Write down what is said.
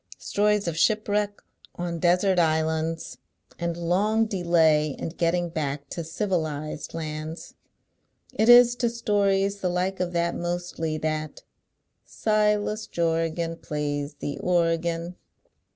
Stories of shipwreck on desert islands, and long delay in getting back to civilised lauds. It is to stories the like of that, mostly, that Silas Jorgan Plays the organ."